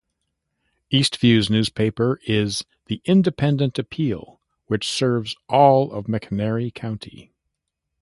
Eastview's newspaper is the "Independent Appeal", which serves all of McNairy County.